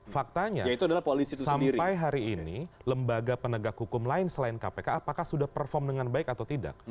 faktanya sampai hari ini lembaga penegak hukum lain selain kpk apakah sudah perform dengan baik atau tidak